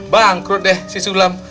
bangkrut deh si sulam